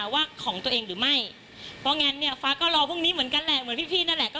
ว่าของตัวเองหรือไม่เพราะงั้นเนี่ยฟ้าก็รอพรุ่งนี้เหมือนกันแหละเหมือนพี่นั่นแหละก็